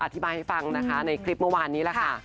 อธิบายให้ฟังนะคะในคลิปเมื่อวานนี้แหละค่ะ